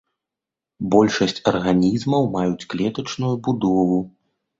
Большасць арганізмаў маюць клетачную будову.